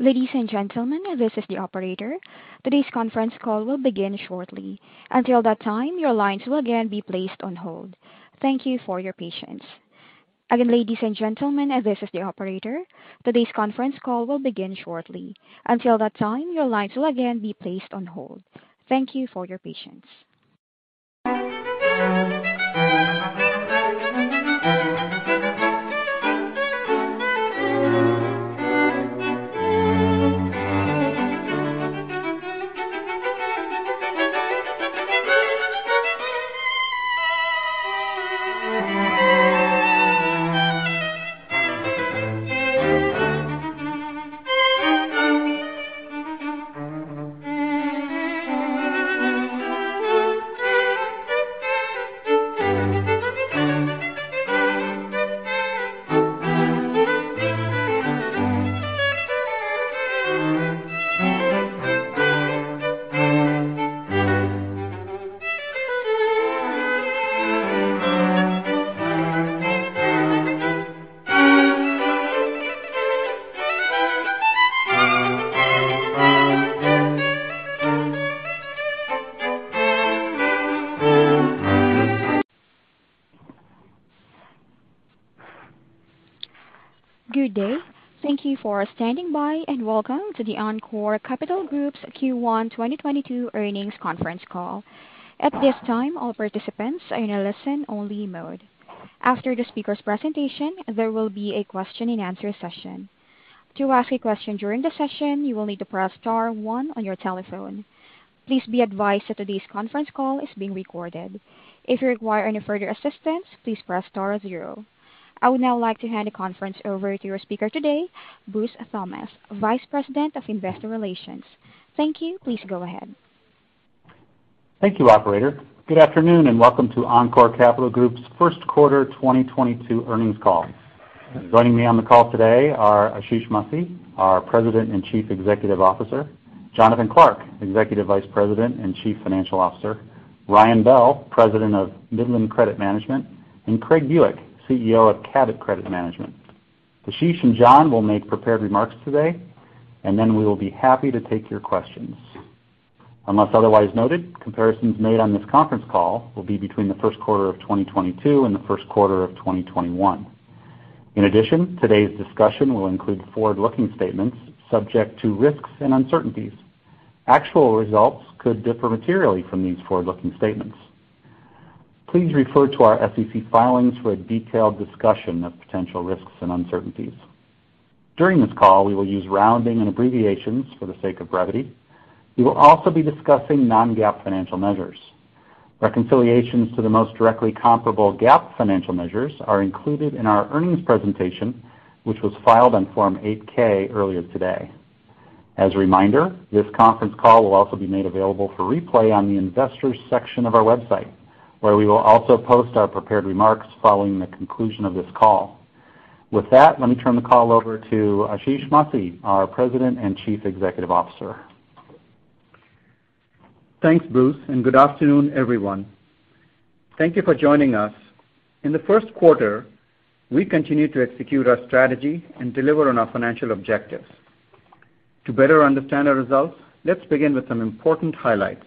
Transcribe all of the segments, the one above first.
Ladies and gentlemen, this is the operator. Today's conference call will begin shortly. Until that time, your lines will again be placed on hold. Thank you for your patience. Again, ladies and gentlemen, this is the operator. Today's conference call will begin shortly. Until that time, your lines will again be placed on hold. Thank you for your patience. Good day. Thank you for standing by, and welcome to the Encore Capital Group's Q1 2022 earnings conference call. At this time, all participants are in a listen-only mode. After the speaker's presentation, there will be a Q&A session. To ask a question during the session, you will need to press star one on your telephone. Please be advised that today's conference call is being recorded. If you require any further assistance, please press star zero. I would now like to hand the conference over to your speaker today, Bruce Thomas, Vice President of Investor Relations. Thank you. Please go ahead. Thank you, operator. Good afternoon, and welcome to Encore Capital Group's Q1 2022 earnings call. Joining me on the call today are Ashish Masih, our President and Chief Executive Officer, Jonathan C. Clark, Executive Vice President and Chief Financial Officer, Ryan Bell, President of Midland Credit Management, and Craig Buick, CEO of Cabot Credit Management. Ashish and John will make prepared remarks today, and then we will be happy to take your questions. Unless otherwise noted, comparisons made on this conference call will be between the Q1 of 2022 and the Q1 of 2021. In addition, today's discussion will include forward-looking statements subject to risks and uncertainties. Actual results could differ materially from these forward-looking statements. Please refer to our SEC filings for a detailed discussion of potential risks and uncertainties. During this call, we will use rounding and abbreviations for the sake of brevity. We will also be discussing non-GAAP financial measures. Reconciliations to the most directly comparable GAAP financial measures are included in our earnings presentation, which was filed on Form 8-K earlier today. As a reminder, this conference call will also be made available for replay on the investors section of our website, where we will also post our prepared remarks following the conclusion of this call. With that, let me turn the call over to Ashish Masih, our President and Chief Executive Officer. Thanks, Bruce, and good afternoon, everyone. Thank you for joining us. In the Q1, we continued to execute our strategy and deliver on our financial objectives. To better understand our results, let's begin with some important highlights.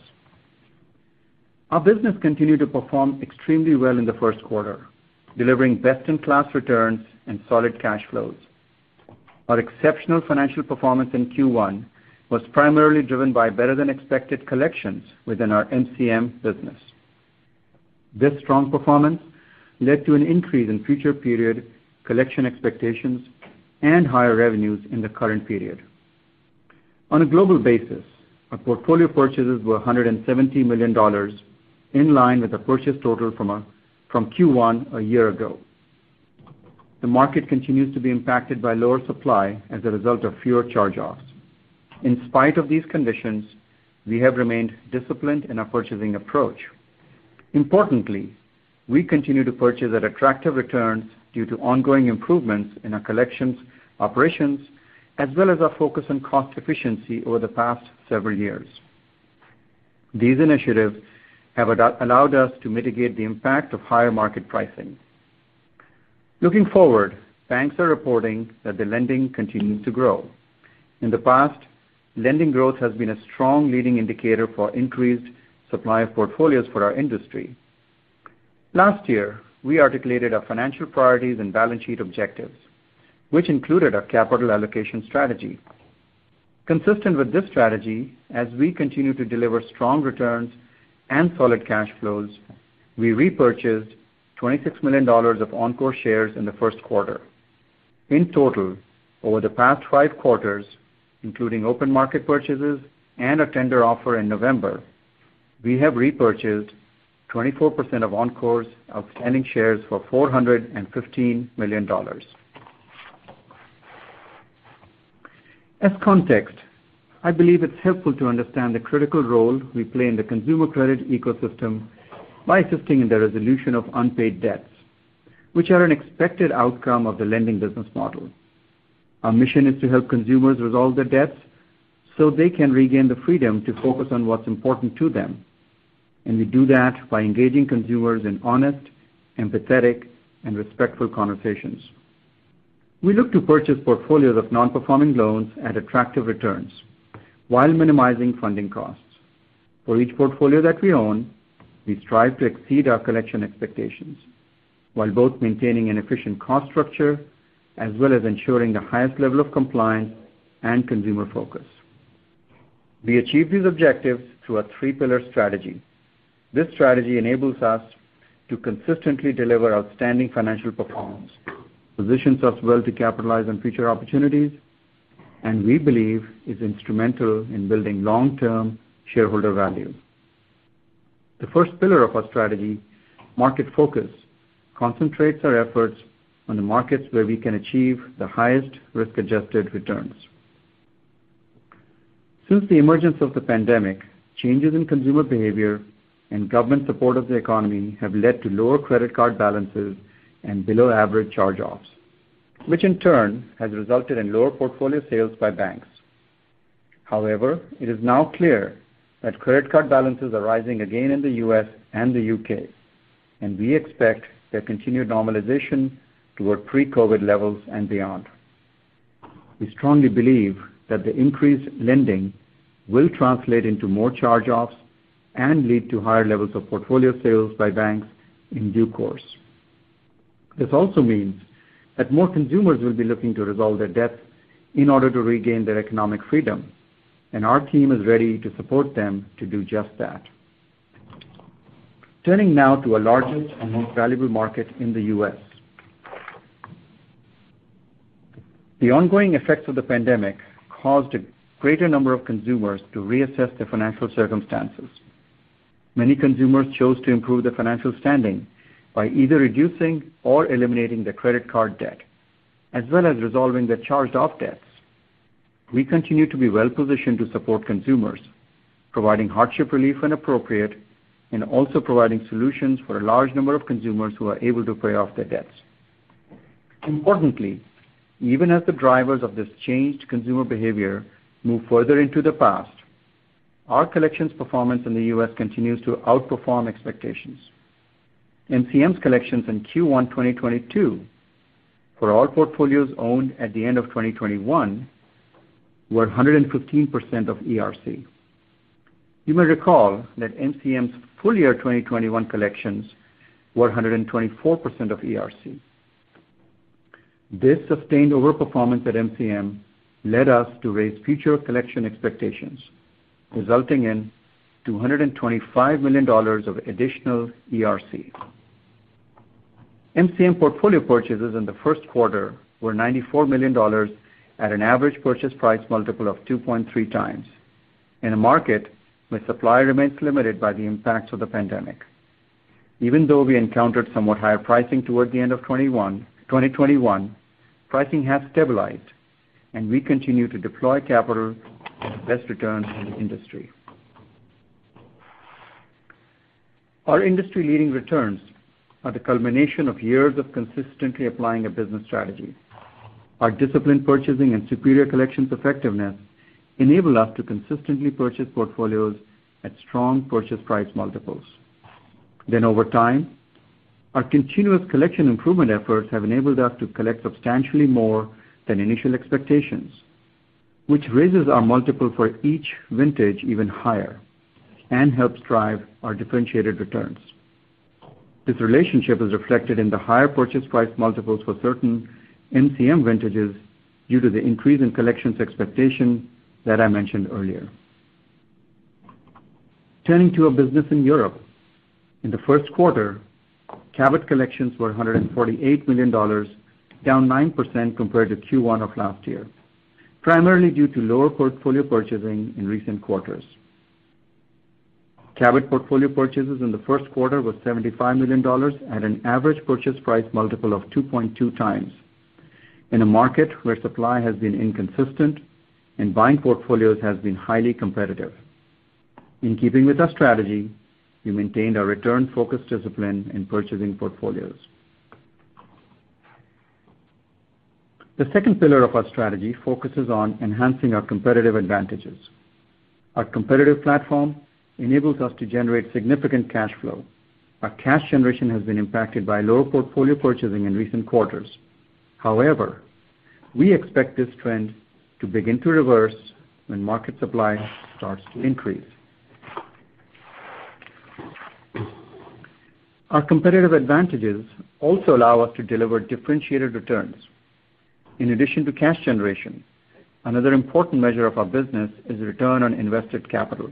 Our business continued to perform extremely well in the Q1, delivering best-in-class returns and solid cash flows. Our exceptional financial performance in Q1 was primarily driven by better than expected collections within our MCM business. This strong performance led to an increase in future period collection expectations and higher revenues in the current period. On a global basis, our portfolio purchases were $170 million, in line with the purchase total from Q1 a year ago. The market continues to be impacted by lower supply as a result of fewer charge-offs. In spite of these conditions, we have remained disciplined in our purchasing approach. Importantly, we continue to purchase at attractive returns due to ongoing improvements in our collections, operations, as well as our focus on cost efficiency over the past several years. These initiatives have allowed us to mitigate the impact of higher market pricing. Looking forward, banks are reporting that the lending continues to grow. In the past, lending growth has been a strong leading indicator for increased supply of portfolios for our industry. Last year, we articulated our financial priorities and balance sheet objectives, which included our capital allocation strategy. Consistent with this strategy, as we continue to deliver strong returns and solid cash flows, we repurchased $26 million of Encore shares in the Q1. In total, over the past five quarters, including open market purchases and a tender offer in November, we have repurchased 24% of Encore's outstanding shares for $415 million. As context, I believe it's helpful to understand the critical role we play in the consumer credit ecosystem by assisting in the resolution of unpaid debts, which are an expected outcome of the lending business model. Our mission is to help consumers resolve their debts so they can regain the freedom to focus on what's important to them. We do that by engaging consumers in honest, empathetic, and respectful conversations. We look to purchase portfolios of non-performing loans at attractive returns while minimizing funding costs. For each portfolio that we own, we strive to exceed our collection expectations while both maintaining an efficient cost structure as well as ensuring the highest level of compliance and consumer focus. We achieve these objectives through a three-pillar strategy. This strategy enables us to consistently deliver outstanding financial performance, positions us well to capitalize on future opportunities, and we believe is instrumental in building long-term shareholder value. The first pillar of our strategy, market focus, concentrates our efforts on the markets where we can achieve the highest risk-adjusted returns. Since the emergence of the pandemic, changes in consumer behavior and government support of the economy have led to lower credit card balances and below average charge-offs, which in turn has resulted in lower portfolio sales by banks. However, it is now clear that credit card balances are rising again in the U.S. and the U.K., and we expect their continued normalization toward pre-COVID levels and beyond. We strongly believe that the increased lending will translate into more charge-offs and lead to higher levels of portfolio sales by banks in due course. This also means that more consumers will be looking to resolve their debt in order to regain their economic freedom, and our team is ready to support them to do just that. Turning now to our largest and most valuable market in the U.S. The ongoing effects of the pandemic caused a greater number of consumers to reassess their financial circumstances. Many consumers chose to improve their financial standing by either reducing or eliminating their credit card debt, as well as resolving their charged-off debts. We continue to be well-positioned to support consumers, providing hardship relief when appropriate, and also providing solutions for a large number of consumers who are able to pay off their debts. Importantly, even as the drivers of this changed consumer behavior move further into the past, our collections performance in the U.S. continues to outperform expectations. MCM's collections in Q1 2022 for all portfolios owned at the end of 2021 were 115% of ERC. You may recall that MCM's full year 2021 collections were 124% of ERC. This sustained overperformance at MCM led us to raise future collection expectations, resulting in $225 million of additional ERC. MCM portfolio purchases in the Q1 were $94 million at an average purchase price multiple of 2.3x in a market where supply remains limited by the impacts of the pandemic. Even though we encountered somewhat higher pricing toward the end of 2021, pricing has stabilized, and we continue to deploy capital at the best returns in the industry. Our industry-leading returns are the culmination of years of consistently applying a business strategy. Our disciplined purchasing and superior collections effectiveness enable us to consistently purchase portfolios at strong purchase price multiples. Over time, our continuous collection improvement efforts have enabled us to collect substantially more than initial expectations, which raises our multiple for each vintage even higher and helps drive our differentiated returns. This relationship is reflected in the higher purchase price multiples for certain MCM vintages due to the increase in collections expectation that I mentioned earlier. Turning to our business in Europe. In the Q1, Cabot collections were $148 million, down 9% compared to Q1 of last year, primarily due to lower portfolio purchasing in recent quarters. Cabot portfolio purchases in the Q1 was $75 million at an average purchase price multiple of 2.2x in a market where supply has been inconsistent and buying portfolios has been highly competitive. In keeping with our strategy, we maintained our return focus discipline in purchasing portfolios. The second pillar of our strategy focuses on enhancing our competitive advantages. Our competitive platform enables us to generate significant cash flow. Our cash generation has been impacted by lower portfolio purchasing in recent quarters. However, we expect this trend to begin to reverse when market supply starts to increase. Our competitive advantages also allow us to deliver differentiated returns. In addition to cash generation, another important measure of our business is return on invested capital,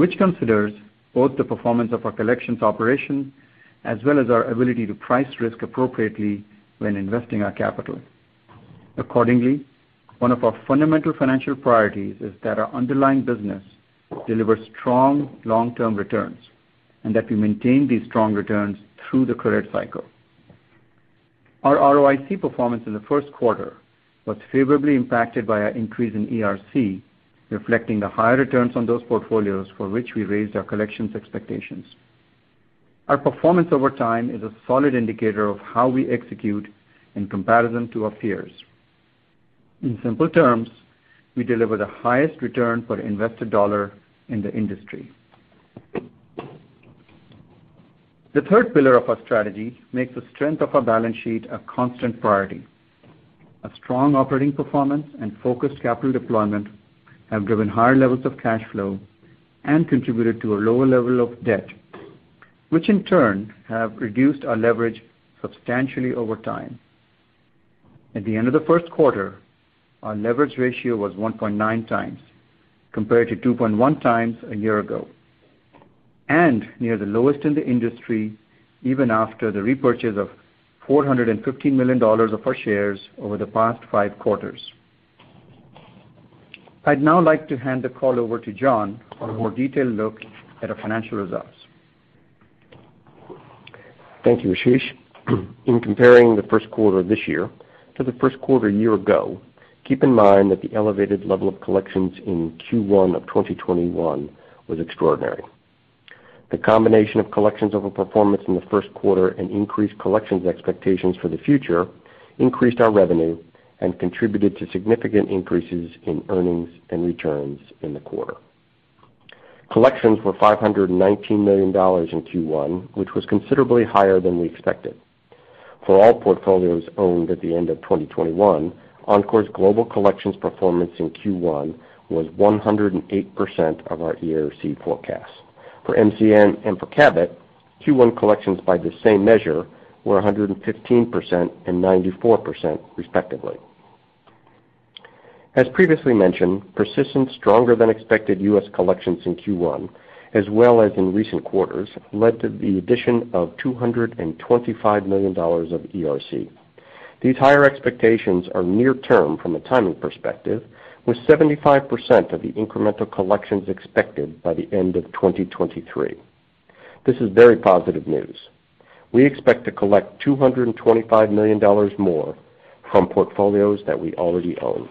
which considers both the performance of our collections operation as well as our ability to price risk appropriately when investing our capital. Accordingly, one of our fundamental financial priorities is that our underlying business delivers strong long-term returns and that we maintain these strong returns through the credit cycle. Our ROIC performance in the Q1 was favorably impacted by our increase in ERC, reflecting the higher returns on those portfolios for which we raised our collections expectations. Our performance over time is a solid indicator of how we execute in comparison to our peers. In simple terms, we deliver the highest return for invested dollar in the industry. The third pillar of our strategy makes the strength of our balance sheet a constant priority. A strong operating performance and focused capital deployment have driven higher levels of cash flow and contributed to a lower level of debt, which in turn have reduced our leverage substantially over time. At the end of the Q1, our leverage ratio was 1.9x compared to 2.1x a year ago, and near the lowest in the industry, even after the repurchase of $415 million of our shares over the past five quarters. I'd now like to hand the call over to Jonathan Clark for a more detailed look at our financial results. Thank you, Ashish. In comparing the Q1 of this year to the Q1 a year ago, keep in mind that the elevated level of collections in Q1 of 2021 was extraordinary. The combination of collections over performance in the Q1 and increased collections expectations for the future increased our revenue and contributed to significant increases in earnings and returns in the quarter. Collections were $519 million in Q1, which was considerably higher than we expected. For all portfolios owned at the end of 2021, Encore's global collections performance in Q1 was 108% of our ERC forecast. For MCM and for Cabot, Q1 collections by the same measure were 115% and 94% respectively. As previously mentioned, persistent, stronger than expected U.S. collections in Q1, as well as in recent quarters, led to the addition of $225 million of ERC. These higher expectations are near term from a timing perspective, with 75% of the incremental collections expected by the end of 2023. This is very positive news. We expect to collect $225 million more from portfolios that we already own.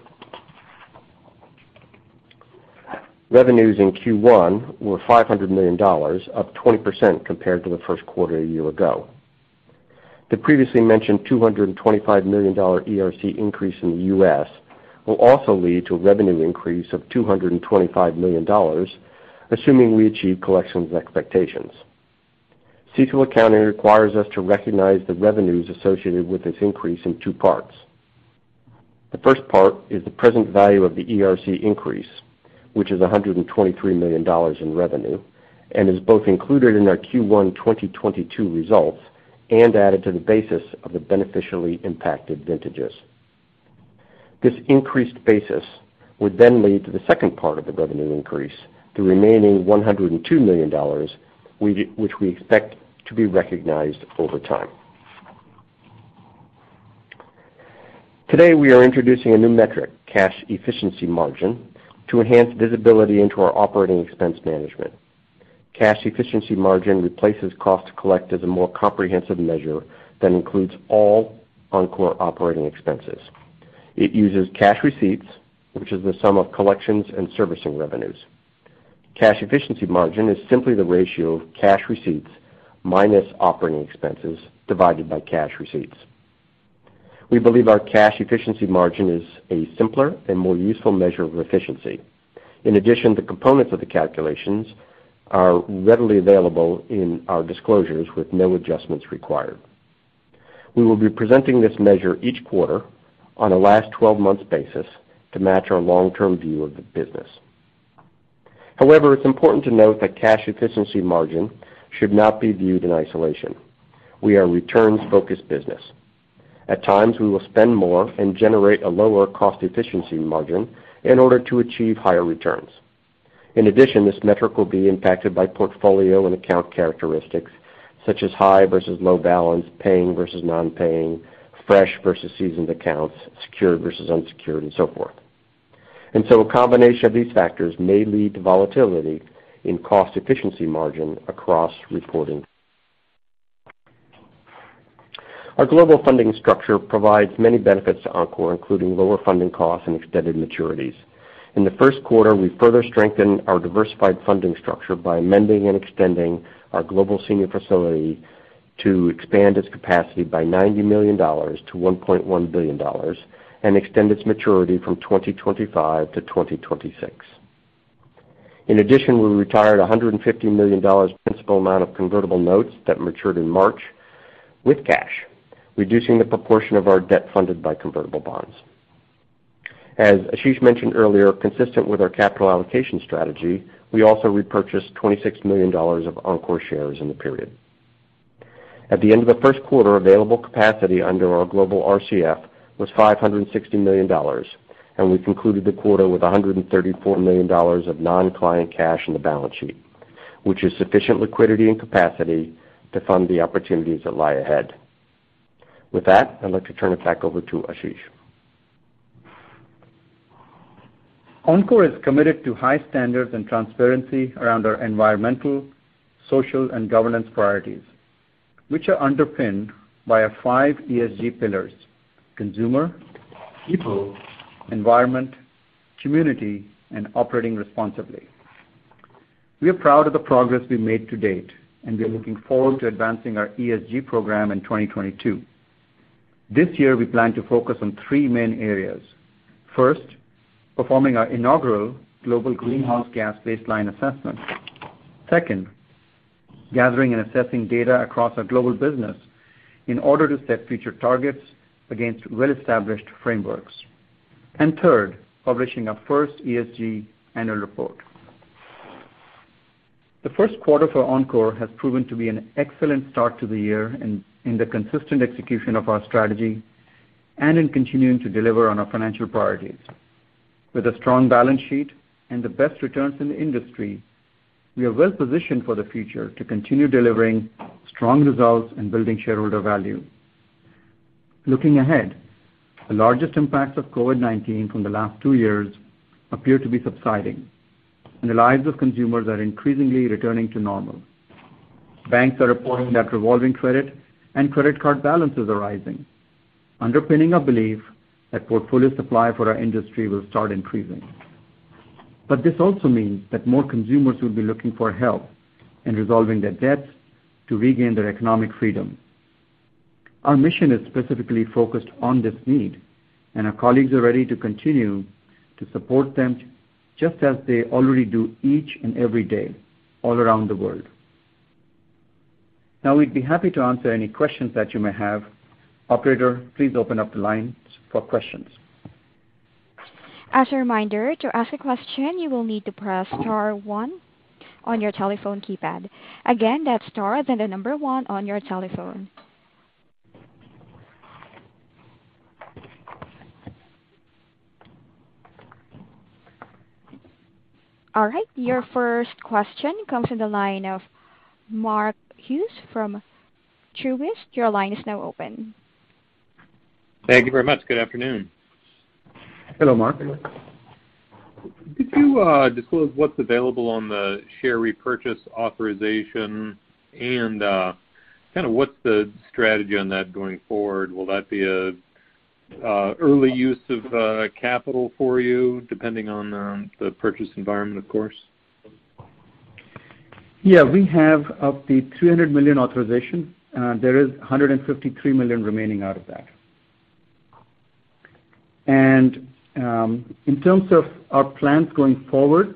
Revenues in Q1 were $500 million, up 20% compared to the Q1 a year ago. The previously mentioned $225 million ERC increase in the U.S. will also lead to a revenue increase of $225 million, assuming we achieve collections expectations. CECL accounting requires us to recognize the revenues associated with this increase in two parts. The first part is the present value of the ERC increase, which is $123 million in revenue and is both included in our Q1 2022 results and added to the basis of the beneficially impacted vintages. This increased basis would then lead to the second part of the revenue increase, the remaining $102 million, which we expect to be recognized over time. Today, we are introducing a new metric, cash efficiency margin, to enhance visibility into our operating expense management. Cash efficiency margin replaces cost to collect as a more comprehensive measure that includes all Encore operating expenses. It uses cash receipts, which is the sum of collections and servicing revenues. Cash efficiency margin is simply the ratio of cash receipts minus operating expenses divided by cash receipts. We believe our cash efficiency margin is a simpler and more useful measure of efficiency. In addition, the components of the calculations are readily available in our disclosures with no adjustments required. We will be presenting this measure each quarter on a last twelve months basis to match our long-term view of the business. However, it's important to note that cash efficiency margin should not be viewed in isolation. We are a returns-focused business. At times, we will spend more and generate a lower cash efficiency margin in order to achieve higher returns. In addition, this metric will be impacted by portfolio and account characteristics such as high versus low balance, paying versus non-paying, fresh versus seasoned accounts, secured versus unsecured, and so forth. A combination of these factors may lead to volatility in cash efficiency margin across reporting. Our global funding structure provides many benefits to Encore, including lower funding costs and extended maturities. In the Q1, we further strengthened our diversified funding structure by amending and extending our global senior facility to expand its capacity by $90 million-$1.1 billion and extend its maturity from 2025 to 2026. In addition, we retired $150 million principal amount of convertible notes that matured in March with cash, reducing the proportion of our debt funded by convertible bonds. As Ashish mentioned earlier, consistent with our capital allocation strategy, we also repurchased $26 million of Encore shares in the period. At the end of the Q1, available capacity under our global RCF was $560 million, and we concluded the quarter with $134 million of non-client cash on the balance sheet, which is sufficient liquidity and capacity to fund the opportunities that lie ahead. With that, I'd like to turn it back over to Ashish. Encore is committed to high standards and transparency around our environmental, social, and governance priorities, which are underpinned by our five ESG pillars, consumer, people, environment, community, and operating responsibly. We are proud of the progress we've made to date, and we are looking forward to advancing our ESG program in 2022. This year, we plan to focus on three main areas. First, performing our inaugural global greenhouse gas baseline assessment. Second, gathering and assessing data across our global business in order to set future targets against well-established frameworks. Third, publishing our first ESG annual report. The Q1 for Encore has proven to be an excellent start to the year in the consistent execution of our strategy and in continuing to deliver on our financial priorities. With a strong balance sheet and the best returns in the industry, we are well-positioned for the future to continue delivering strong results and building shareholder value. Looking ahead, the largest impacts of COVID-19 from the last two years appear to be subsiding, and the lives of consumers are increasingly returning to normal. Banks are reporting that revolving credit and credit card balances are rising, underpinning our belief that portfolio supply for our industry will start increasing. This also means that more consumers will be looking for help in resolving their debts to regain their economic freedom. Our mission is specifically focused on this need, and our colleagues are ready to continue to support them just as they already do each and every day all around the world. Now we'd be happy to answer any questions that you may have. Operator, please open up the lines for questions. As a reminder, to ask a question, you will need to press star one on your telephone keypad. Again, that's star, then the number one on your telephone. All right, your first question comes from the line of Mark Hughes from Truist. Your line is now open. Thank you very much. Good afternoon. Hello, Mark. Could you disclose what's available on the share repurchase authorization? Kind of what's the strategy on that going forward? Will that be an early use of capital for you, depending on the purchase environment, of course? Yeah. We have up to $300 million authorization. There is $153 million remaining out of that. In terms of our plans going forward,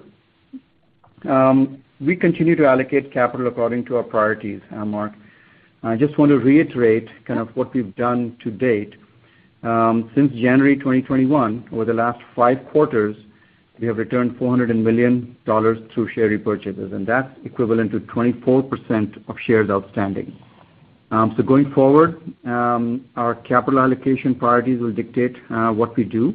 we continue to allocate capital according to our priorities, Mark. I just want to reiterate kind of what we've done to date. Since January 2021, over the last five quarters, we have returned $400 million through share repurchases, and that's equivalent to 24% of shares outstanding. Going forward, our capital allocation priorities will dictate what we do,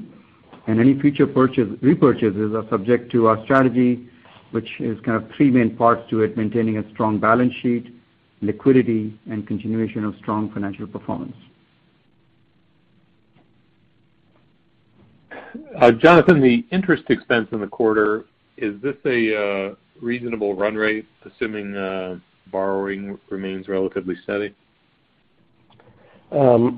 and any future repurchases are subject to our strategy, which is kind of three main parts to it, maintaining a strong balance sheet, liquidity, and continuation of strong financial performance. Jonathan, the interest expense in the quarter, is this a reasonable run rate, assuming borrowing remains relatively steady? We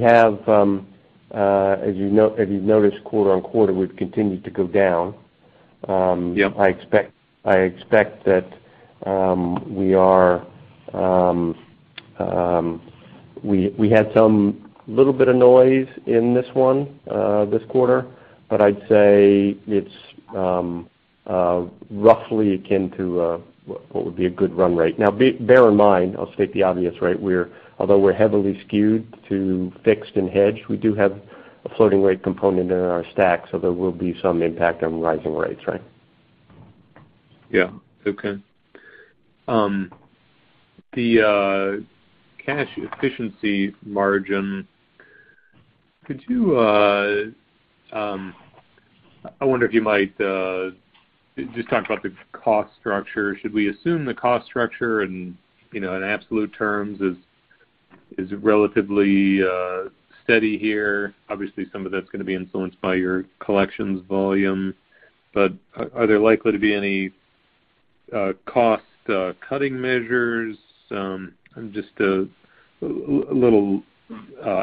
have, as you know, as you've noticed quarter-over-quarter, we've continued to go down. Yep. We had some little bit of noise in this one, this quarter, but I'd say it's roughly akin to what would be a good run rate. Now bear in mind, I'll state the obvious, right? Although we're heavily skewed to fixed and hedged, we do have a floating rate component in our stack, so there will be some impact on rising rates, right? Yeah. Okay. The cash efficiency margin, I wonder if you might just talk about the cost structure. Should we assume the cost structure and, you know, in absolute terms is relatively steady here? Obviously, some of that's gonna be influenced by your collections volume. Are there likely to be any cost cutting measures? Just a little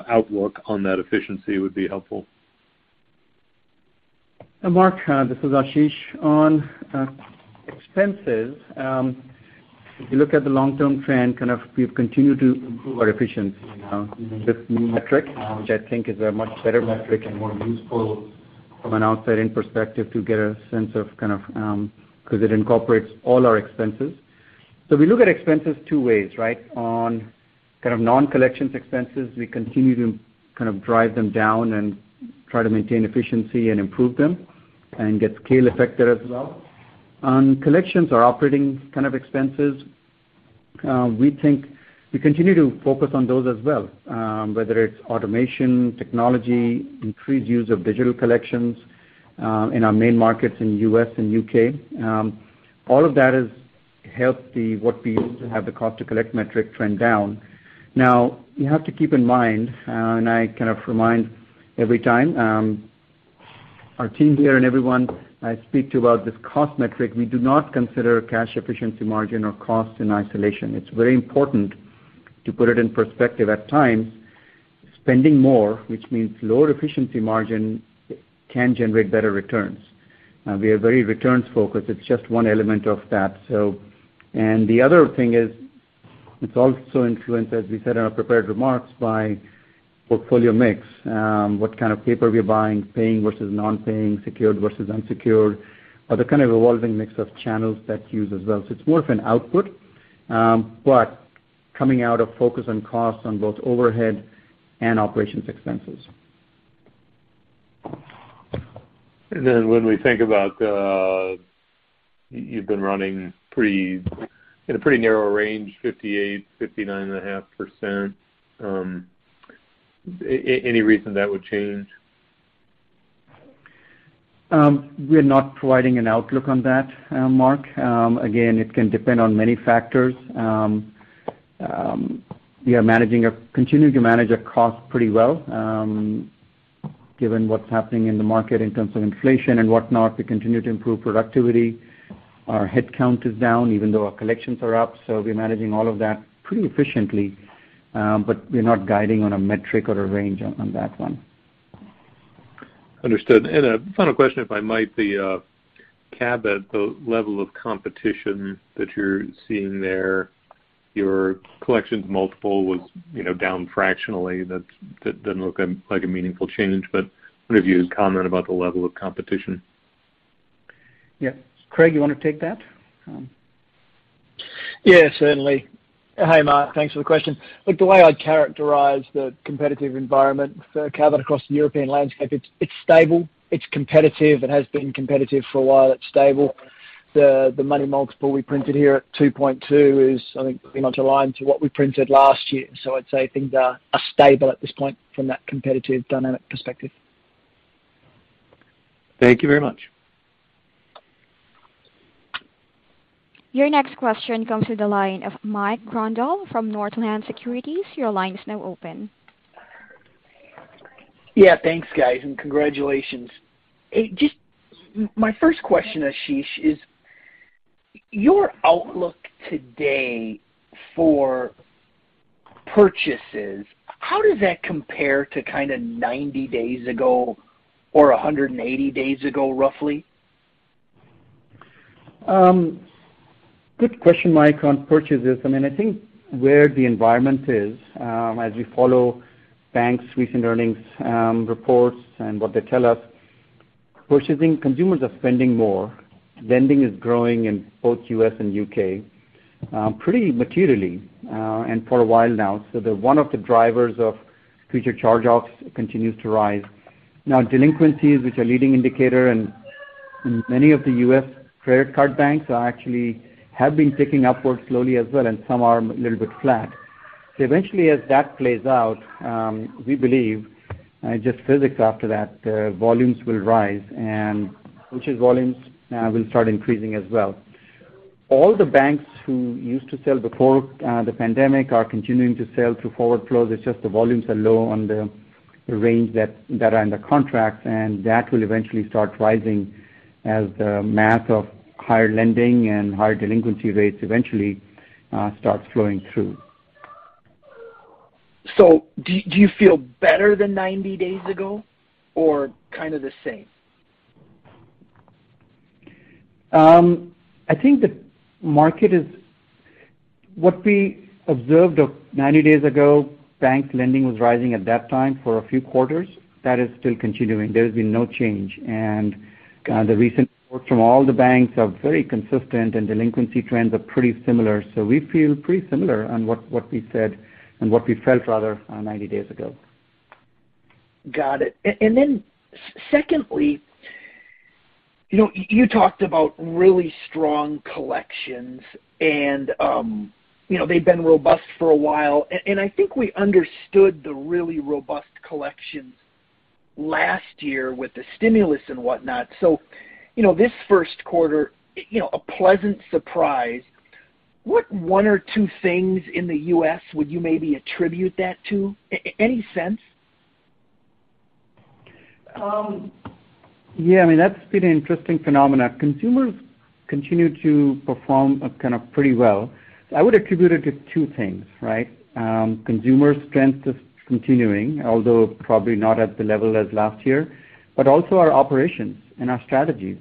outlook on that efficiency would be helpful. Mark, this is Ashish. On expenses, if you look at the long-term trend, kind of we've continued to improve our efficiency in this new metric, which I think is a much better metric and more useful from an outside-in perspective to get a sense of kind of, 'cause it incorporates all our expenses. We look at expenses two ways, right? On kind of non-collections expenses, we continue to kind of drive them down and try to maintain efficiency and improve them and get scale effect there as well. On collections or operating kind of expenses, we think we continue to focus on those as well, whether it's automation, technology, increased use of digital collections in our main markets in U.S. and U.K. All of that has helped the cost to collect metric trend down. Now, you have to keep in mind, and I kind of remind every time, our team here and everyone I speak to about this cost metric, we do not consider cash efficiency margin or cost in isolation. It's very important to put it in perspective at times. Spending more, which means lower efficiency margin can generate better returns. We are very returns-focused. It's just one element of that. The other thing is it's also influenced, as we said in our prepared remarks, by portfolio mix, what kind of paper we're buying, paying versus non-paying, secured versus unsecured, other kind of evolving mix of channels that's used as well. It's more of an output, but coming out of focus on costs on both overhead and operating expenses. When we think about, you've been running in a pretty narrow range, 58%-59.5%. Any reason that would change? We're not providing an outlook on that, Mark. Again, it can depend on many factors. We are continuing to manage our costs pretty well, given what's happening in the market in terms of inflation and whatnot. We continue to improve productivity. Our headcount is down even though our collections are up, so we're managing all of that pretty efficiently, but we're not guiding on a metric or a range on that one. Understood. A final question, if I might. The Cabot, the level of competition that you're seeing there, your collections multiple was, you know, down fractionally. That doesn't look like a meaningful change, but I wonder if you could comment about the level of competition. Yeah. Craig, you wanna take that? Yeah, certainly. Hey, Mark. Thanks for the question. Look, the way I'd characterize the competitive environment for Cabot across the European landscape, it's stable. It's competitive and has been competitive for a while. It's stable. The money multiple we printed here at 2.2x is I think pretty much aligned to what we printed last year. I'd say things are stable at this point from that competitive dynamic perspective. Thank you very much. Your next question comes through the line of Mike Grondahl from Northland Capital Markets. Your line is now open. Yeah, thanks, guys, and congratulations. Just my first question, Ashish, is your outlook today for purchases, how does that compare to kinda 90 days ago or 180 days ago, roughly? Good question, Mike, on purchases. I mean, I think where the environment is, as we follow banks' recent earnings, reports and what they tell us, purchasing consumers are spending more. Lending is growing in both U.S. and U.K., pretty materially, and for a while now. One of the drivers of future charge-offs continues to rise. Now delinquencies, which are leading indicator in many of the U.S. credit card banks are actually have been ticking upwards slowly as well, and some are a little bit flat. Eventually, as that plays out, we believe, just physics after that, volumes will rise and purchases volumes, will start increasing as well. All the banks who used to sell before, the pandemic are continuing to sell through forward flows. It's just the volumes are low on the range that are under contract, and that will eventually start rising as the math of higher lending and higher delinquency rates eventually starts flowing through. Do you feel better than 90 days ago, or kind of the same? What we observed 90 days ago, bank lending was rising at that time for a few quarters. That is still continuing. There has been no change. The recent reports from all the banks are very consistent, and delinquency trends are pretty similar. We feel pretty similar to what we said and what we felt 90 days ago. Got it. Secondly, you know, you talked about really strong collections and, you know, they've been robust for a while. I think we understood the really robust collections last year with the stimulus and whatnot. You know, this Q1, you know, a pleasant surprise. What one or two things in the U.S. would you maybe attribute that to? Any sense? Yeah, I mean, that's been an interesting phenomenon. Consumers continue to perform kind of pretty well. I would attribute it to two things, right? Consumer strength is continuing, although probably not at the level as last year, but also our operations and our strategies.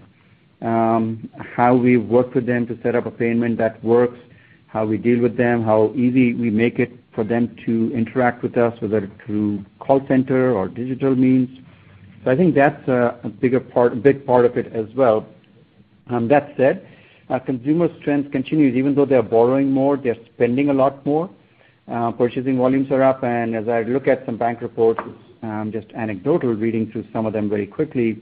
How we work with them to set up a payment that works, how we deal with them, how easy we make it for them to interact with us, whether through call center or digital means. I think that's a bigger part of it as well. That said, our consumer strength continues. Even though they are borrowing more, they're spending a lot more. Purchasing volumes are up, and as I look at some bank reports, just anecdotal reading through some of them very quickly,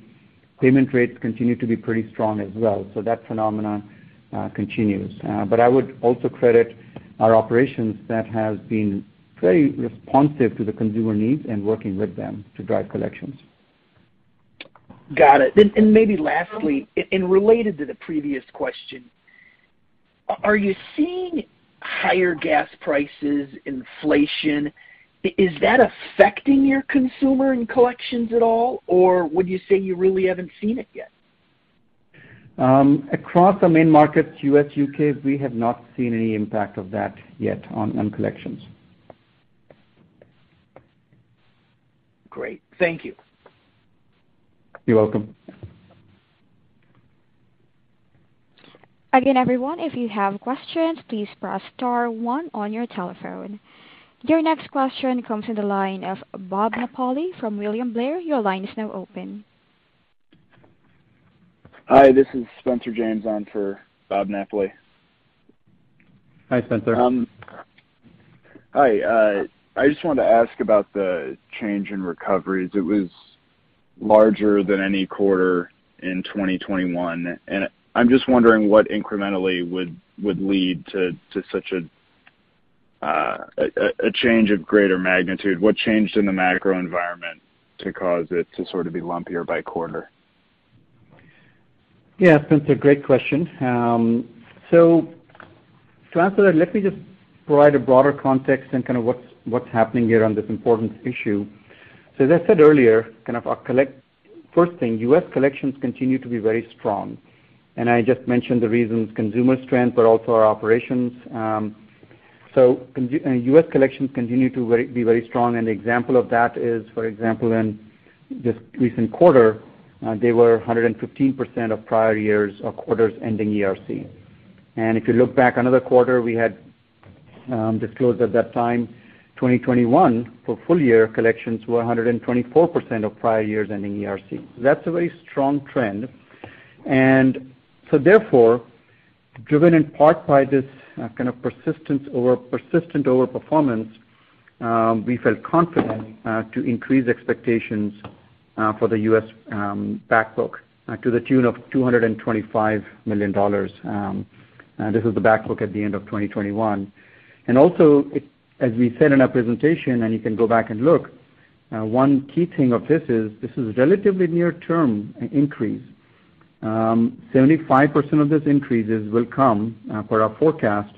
payment rates continue to be pretty strong as well. That phenomenon continues. I would also credit our operations that have been very responsive to the consumer needs and working with them to drive collections. Got it. Maybe lastly, and related to the previous question, are you seeing higher gas prices, inflation? Is that affecting your consumer and collections at all, or would you say you really haven't seen it yet? Across our main markets, U.S., U.K., we have not seen any impact of that yet on collections. Great. Thank you. You're welcome. Again, everyone, if you have questions, please press star one on your telephone. Your next question comes from the line of Robert Napoli from William Blair. Your line is now open. Hi, this is Spencer James on for Robert Napoli. Hi, Spencer. Hi. I just wanted to ask about the change in recoveries. It was larger than any quarter in 2021, and I'm just wondering what incrementally would lead to such a change of greater magnitude. What changed in the macro environment to cause it to sort of be lumpier by quarter? Yeah, Spencer, great question. To answer that, let me just provide a broader context in kind of what's happening here on this important issue. As I said earlier, First thing, U.S. collections continue to be very strong, and I just mentioned the reasons, consumer strength, but also our operations. U.S. collections continue to be very strong. An example of that is, for example, in this recent quarter, they were 115% of prior years' or quarters ending ERC. If you look back another quarter, we had disclosed at that time, 2021, for full year collections were 124% of prior years ending ERC. That's a very strong trend. Therefore, driven in part by this, persistent overperformance, we felt confident to increase expectations for the U.S. back book to the tune of $225 million. This is the back book at the end of 2021. As we said in our presentation, and you can go back and look, one key thing of this is, this is relatively near-term increase. 75% of this increase will come per our forecast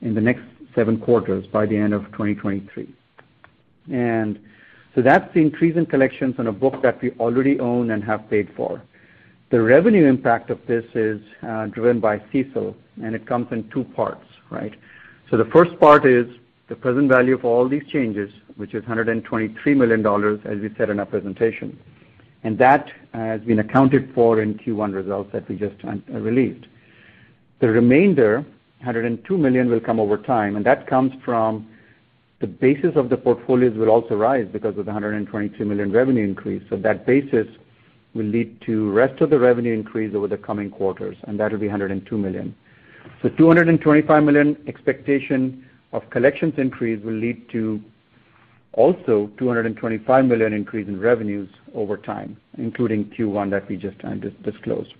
in the next seven quarters by the end of 2023. That's the increase in collections on a book that we already own and have paid for. The revenue impact of this is driven by CECL, and it comes in two parts, right? The first part is the present value for all these changes, which is $123 million, as we said in our presentation. That has been accounted for in Q1 results that we just released. The remainder, $102 million, will come over time, and that comes from the basis of the portfolios will also rise because of the $122 million revenue increase. That basis will lead to rest of the revenue increase over the coming quarters, and that'll be $102 million. $225 million expectation of collections increase will lead to also $225 million increase in revenues over time, including Q1 that we just disclosed.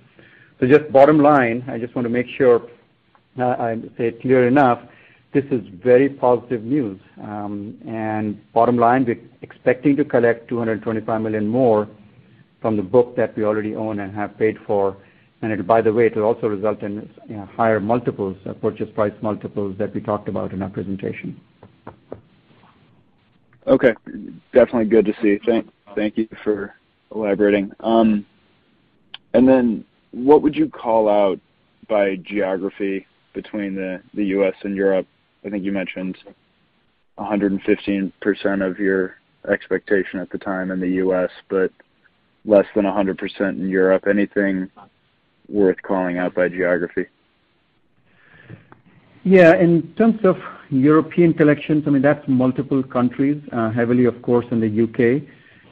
Just bottom line, I just wanna make sure, I say it clear enough, this is very positive news. Bottom line, we're expecting to collect $225 million more from the book that we already own and have paid for. By the way, it will also result in, you know, higher multiples, purchase price multiples that we talked about in our presentation. Okay. Definitely good to see. Thank you for elaborating. What would you call out by geography between the U.S. and Europe? I think you mentioned 115% of your expectation at the time in the U.S., but less than 100% in Europe. Anything worth calling out by geography? Yeah. In terms of European collections, I mean, that's multiple countries, heavily, of course, in the U.K.,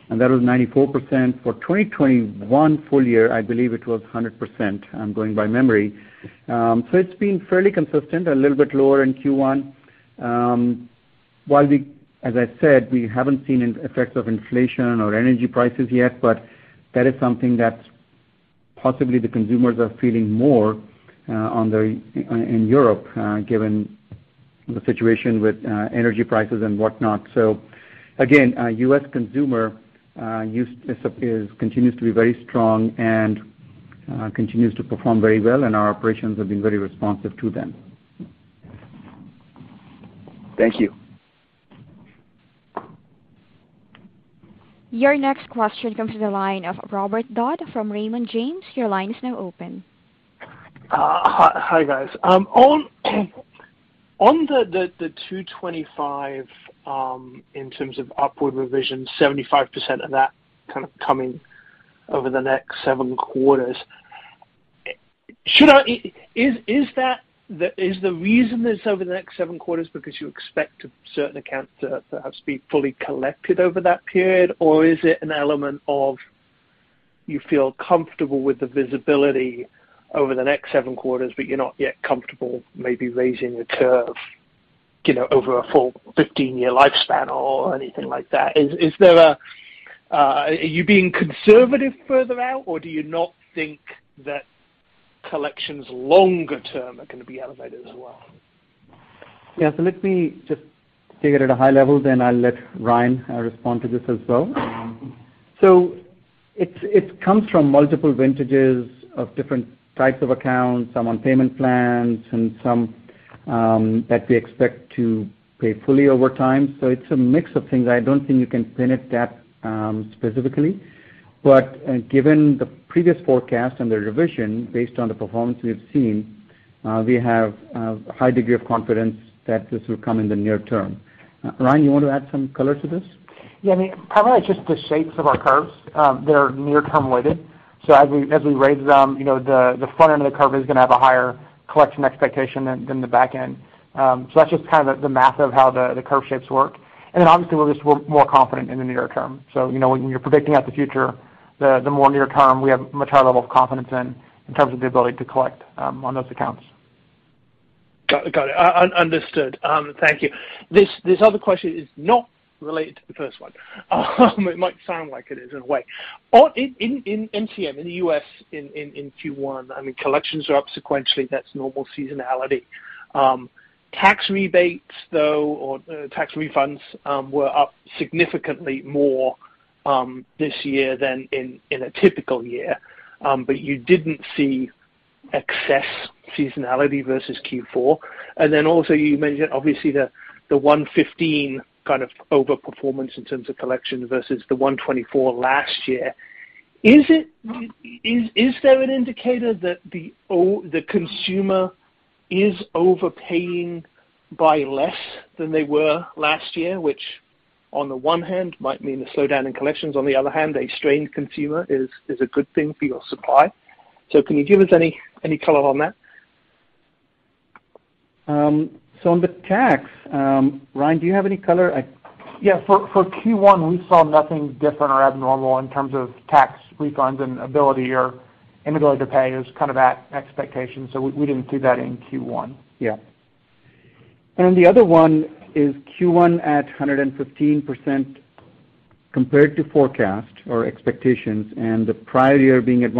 and that was 94%. For 2021 full year, I believe it was 100%. I'm going by memory. It's been fairly consistent, a little bit lower in Q1. As I said, we haven't seen an effects of inflation or energy prices yet, but that is something that possibly the consumers are feeling more, on their, in Europe, given the situation with, energy prices and whatnot. Again, U.S. consumer use appears continues to be very strong and, continues to perform very well, and our operations have been very responsive to them. Thank you. Your next question comes from the line of Robert Dodd from Raymond James. Your line is now open. Hi, guys. On the 2.25, in terms of upward revision, 75% of that kind of coming over the next seven quarters, is the reason it's over the next seven quarters because you expect a certain account to perhaps be fully collected over that period? Or is it an element of you feel comfortable with the visibility over the next seven quarters, but you're not yet comfortable maybe raising the curve, you know, over a full 15-year lifespan or anything like that? Are you being conservative further out, or do you not think that collections longer term are gonna be elevated as well? Yeah. Let me just take it at a high level, then I'll let Ryan respond to this as well. It comes from multiple vintages of different types of accounts, some on payment plans and some that we expect to pay fully over time. It's a mix of things. I don't think you can pin it that specifically. Given the previous forecast and the revision based on the performance we have seen, we have a high degree of confidence that this will come in the near term. Ryan, you want to add some color to this? Yeah. I mean, probably it's just the shapes of our curves that are near-term weighted. As we raise them, you know, the front end of the curve is gonna have a higher collection expectation than the back end. That's just kind of the math of how the curve shapes work. Obviously we're just more confident in the near term. You know, when you're predicting out the future, the more near term we have a much higher level of confidence in terms of the ability to collect on those accounts. Got it. Understood. Thank you. This other question is not related to the first one. It might sound like it is in a way. Or in MCM, in the U.S. in Q1, I mean, collections are up sequentially, that's normal seasonality. Tax rebates though, or tax refunds, were up significantly more, this year than in a typical year. You didn't see excess seasonality versus Q4. You mentioned obviously the 115% kind of overperformance in terms of collection versus the 124% last year. Is there an indicator that the consumer is overpaying by less than they were last year, which on the one hand might mean a slowdown in collections, on the other hand, a strained consumer is a good thing for your supply. Can you give us any color on that? On the tax, Ryan, do you have any color? Yeah. For Q1, we saw nothing different or abnormal in terms of tax refunds and ability or inability to pay. It was kind of at expectation, so we didn't see that in Q1. Yeah. The other one is Q1 at 115% compared to forecast or expectations and the prior year being at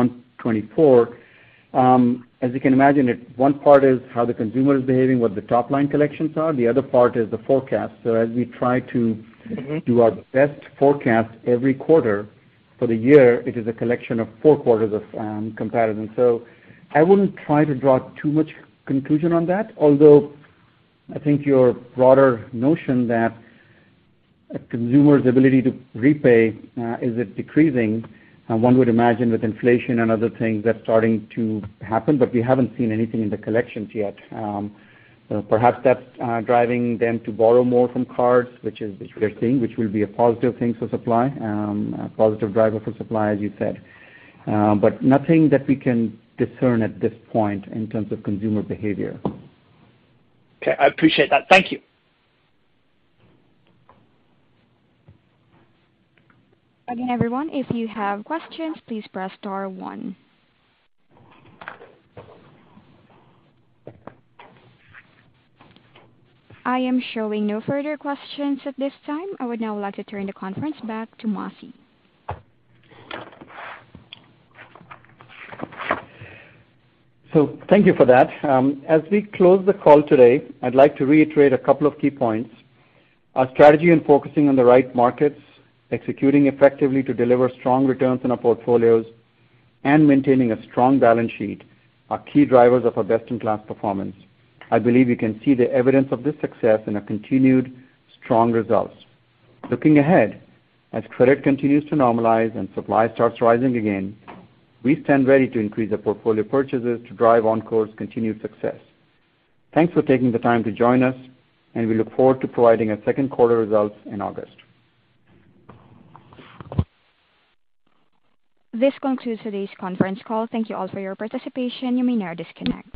124%. As you can imagine it, one part is how the consumer is behaving, what the top line collections are. The other part is the forecast. As we try to- Mm-hmm. We do our best forecast every quarter for the year. It is a collection of four quarters of comparison. I wouldn't try to draw too much conclusion on that. Although, I think your broader notion that a consumer's ability to repay is it decreasing, and one would imagine with inflation and other things that's starting to happen. We haven't seen anything in the collections yet. Perhaps that's driving them to borrow more from cards, which is we're seeing, which will be a positive thing for supply, a positive driver for supply, as you said. Nothing that we can discern at this point in terms of consumer behavior. Okay. I appreciate that. Thank you. Again everyone, if you have questions, please press star one. I am showing no further questions at this time. I would now like to turn the conference back to Masih. Thank you for that. As we close the call today, I'd like to reiterate a couple of key points. Our strategy and focusing on the right markets, executing effectively to deliver strong returns in our portfolios, and maintaining a strong balance sheet are key drivers of our best-in-class performance. I believe you can see the evidence of this success in our continued strong results. Looking ahead, as credit continues to normalize and supply starts rising again, we stand ready to increase our portfolio purchases to drive Encore's continued success. Thanks for taking the time to join us, and we look forward to providing our second quarter results in August. This concludes today's conference call. Thank you all for your participation. You may now disconnect.